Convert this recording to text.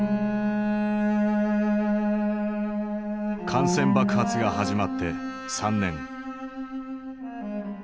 感染爆発が始まって３年。